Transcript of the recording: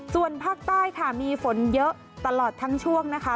ส่วนภาคใต้ค่ะมีฝนเยอะตลอดทั้งช่วงนะคะ